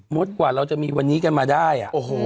กว่าเราจะมีวันนี้กันมาได้